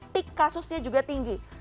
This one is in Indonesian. pik kasusnya juga tinggi